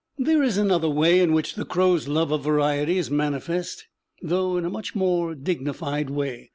There is another way in which the crows' love of variety is manifest, though in a much more dignified way.